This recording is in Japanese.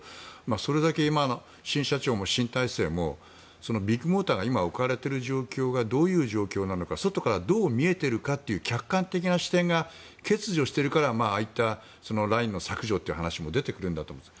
それだけ今の新社長も新体制もビッグモーターが今、置かれている状況がどういう状況なのか外からどう見えているかという客観的な視点が欠如しているからああいったＬＩＮＥの削除という話も出てくるんだと思います。